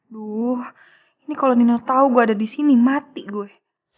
duh ini kalo nino tau gue ada disini mati gue